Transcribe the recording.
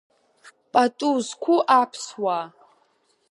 Пату зқәу аԥсуаа!